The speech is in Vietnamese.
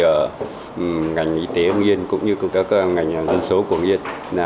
ở ngành y tế nguyên cũng như các ngành dân số của nguyên